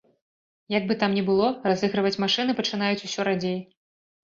Як бы там ні было, разыгрываць машыны пачынаюць усё радзей.